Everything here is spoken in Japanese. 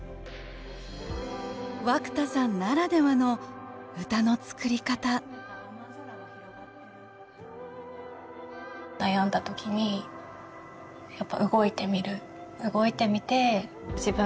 涌田さんならではの歌の作り方悩んだ時にやっぱ動いてみる。